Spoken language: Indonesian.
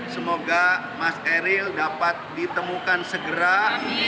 semoga mas eril dapat ditemukan dengan kemurtaan yang baik